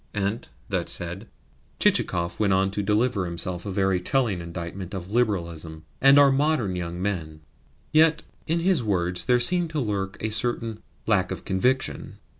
And, that said, Chichikov went on to deliver himself of a very telling indictment of Liberalism and our modern young men. Yet in his words there seemed to lurk a certain lack of conviction.